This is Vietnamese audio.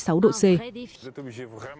đây là mức nhiệt độ